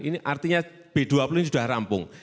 ini artinya b dua puluh ini sudah rampung